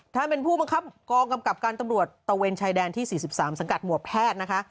ท่านเป็นผู้บังคับกองกำกับการตำรวจตะเวนชายแดนที่๔๓สังกัดหมวดแพทย์นะคะ